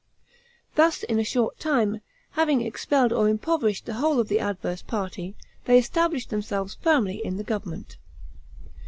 Thus in a short time, having expelled or impoverished the whole of the adverse party, they established themselves firmly in the government.